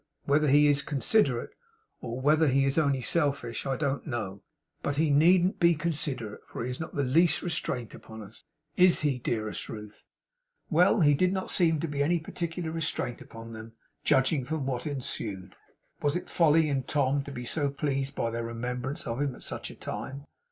Whether he is considerate, or whether he is only selfish, I don't know. But he needn't be considerate, for he is not the least restraint upon us. Is he, dearest Ruth?' Well! He really did not seem to be any particular restraint upon them. Judging from what ensued. Was it folly in Tom to be so pleased by their remembrance of him at such a time?